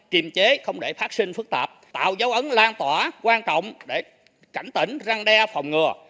kiềm chế không để phát sinh phức tạp tạo dấu ấn lan tỏa quan trọng để cảnh tỉnh răng đe phòng ngừa